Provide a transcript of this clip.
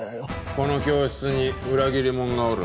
この教室に裏切りもんがおる。